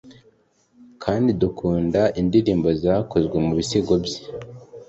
Kandi dukunda indirimbo zakozwe mubisigo bye